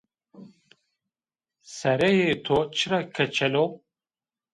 Sereyê to çira keçel o?